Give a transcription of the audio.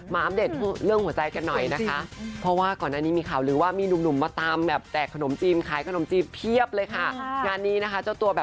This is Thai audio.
อย่าเรียกว่าเข้ารอเข้ารอตั้งเดียนหนึ่งเดียวใช่ไหม